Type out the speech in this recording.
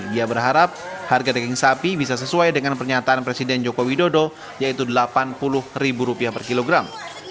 ia berharap harga daging sapi bisa sesuai dengan pernyataan presiden joko widodo yaitu rp delapan puluh per kilogram